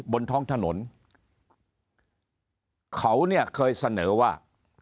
บนท้องถนนเขาเนี่ยเคยเสนอว่า